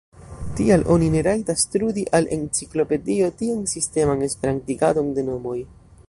Tial oni ne rajtas trudi al enciklopedio tian sisteman esperantigadon de nomoj.